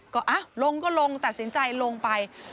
ก็ลงก็ลงตัดสินใจลงไป